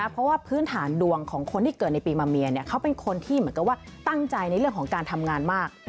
เพราะว่าพื้นฐานดวงของคนที่เกิดในปีมาเมียเขาเป็นคนที่เหมือนกับว่าตั้งใจในเรื่องของการทำงานมาก